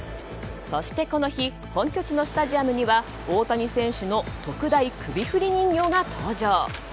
そして、この日本拠地のスタジアムには大谷選手の特大首振り人形が登場。